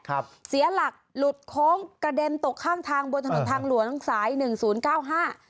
เสียหลักหลุดโค้งกระเด็นตกข้างทางบนถนนทางหลวงสายหนึ่งศูนย์เก้าห้า